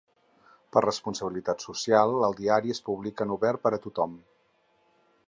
Per responsabilitat social el diari es publica en obert per a tothom.